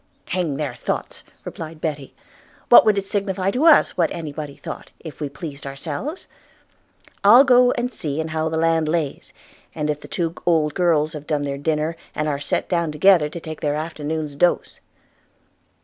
'Hang their thoughts!' replied Betty; 'what would it signify to us what any body thought, if we pleased ourselves? I'll go and see how the land lays, and if the two old girls have done their dinner, and are set down together to take their afternoon's dose.'